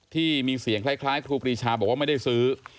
ที่มีเสียงคล้ายครูปรีชาบอกว่าไม่ได้ซื้อ